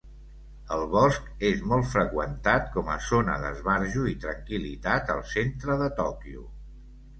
El bosc és molt freqüentat com a zona d'esbarjo i tranquil·litat al centre de Tòquio.